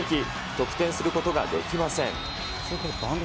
得点することができません。